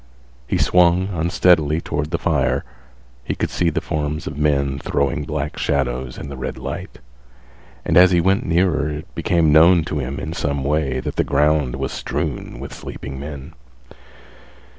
He swung unsteadily toward the fire. He could see the forms of men throwing black shadows in the red light, and as he went nearer it became known to him in some way that the ground was strewn with sleeping men.